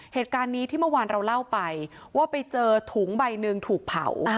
เหตุการณ์นี้ที่เมื่อวานเราเล่าไปว่าไปเจอถุงใบหนึ่งถูกเผา